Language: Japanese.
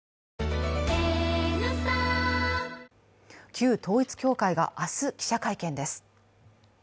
旧統一教会が明日、記者会見です。